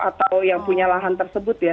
atau yang punya lahan tersebut ya